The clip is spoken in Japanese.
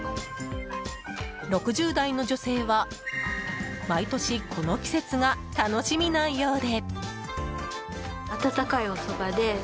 ６０代の女性は毎年この季節が楽しみなようで。